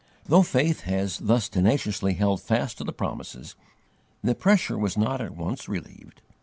Though faith had thus tenaciously held fast to the promises, the pressure was not at once relieved.